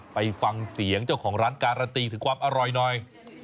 ไปฟังเสียงเจ้าของร้านการันตีถึงความอร่อยหน่อย